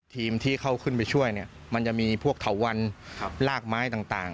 ที่เขาขึ้นไปช่วยเนี่ยมันจะมีพวกเถาวันรากไม้ต่าง